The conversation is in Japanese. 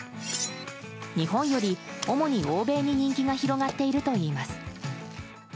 日本より主に欧米に人気が広がっているといいます。